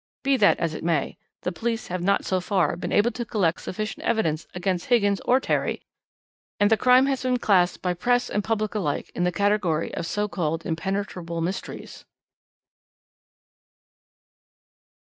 "Be that as it may, the police have not so far been able to collect sufficient evidence against Higgins or Terry, and the crime has been classed by press and public alike in the category of so called impenetrable mysteries."